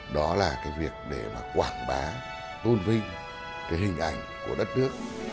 đó là việc để quảng bá tôn vinh hình ảnh của đất nước